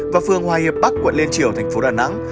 và phương hoa hiệp bắc quận lên triều thành phố đà nẵng